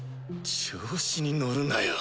調子に乗るなよ